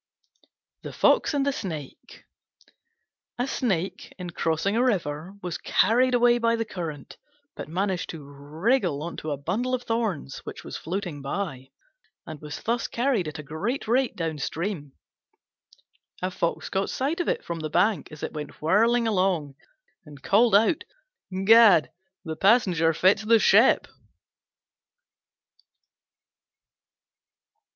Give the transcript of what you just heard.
THE FOX AND THE SNAKE A Snake, in crossing a river, was carried away by the current, but managed to wriggle on to a bundle of thorns which was floating by, and was thus carried at a great rate down stream. A Fox caught sight of it from the bank as it went whirling along, and called out, "Gad! the passenger fits the ship!"